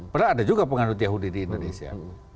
padahal ada juga pengadut yahudi di indonesia